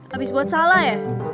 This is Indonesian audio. habis buat salah ya